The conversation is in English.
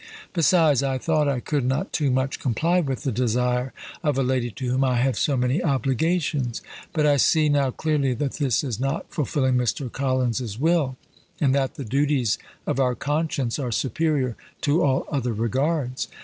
Besides, I thought I could not too much comply with the desire of a lady to whom I have so many obligations. But I see now clearly that this is not fulfilling Mr. Collins's will, and that the duties of our conscience are superior to all other regards.